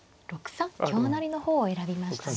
６三香成の方を選びました。